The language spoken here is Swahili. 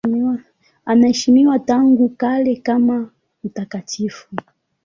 Anaheshimiwa tangu kale kama mtakatifu.